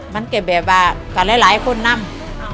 มันก็แบบว่ากับหลายคนนำ